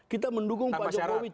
kita mendukung pak jokowi